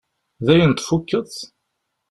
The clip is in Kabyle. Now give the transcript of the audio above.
Dayen tfukkeḍ?